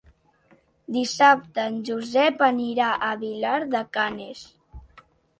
Dissabte en Josep anirà a Vilar de Canes.